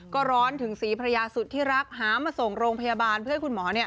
ก็ร้อนถึงศรีภรรยาสุดที่รักหามาส่งโรงพยาบาลเพื่อให้คุณหมอ